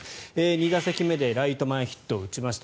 ２打席目でライト前ヒットを打ちました。